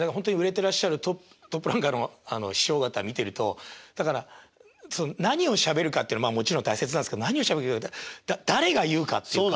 てらっしゃるトップランカーの師匠方見てるとだから何をしゃべるかっていうのはもちろん大切なんですけど誰が言うかっていうか